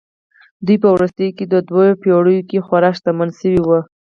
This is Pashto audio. دوی په وروستیو دوو پېړیو کې خورا شتمن شوي وو